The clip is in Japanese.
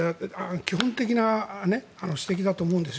基本的な指摘だと思うんです。